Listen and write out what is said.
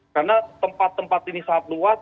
karena tempat tempat ini sangat luas